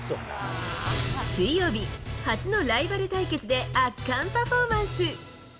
水曜日、初のライバル対決で圧巻パフォーマンス。